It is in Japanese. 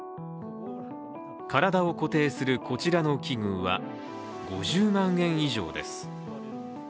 体を固定するこちらの器具は５０万円以上です。